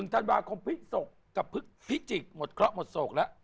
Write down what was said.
๑ธันวาคมพฤศกับพิจิกหมดเคราะห์หมดศกละ